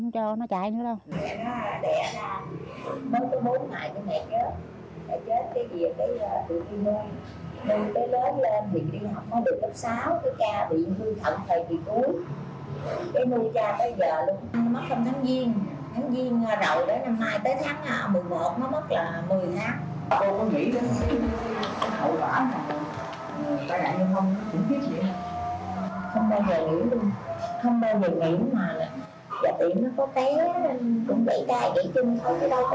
giờ tiện nó có cái cũng bị tai cái chân thôi chứ đâu có ngờ mà mất tại chỗ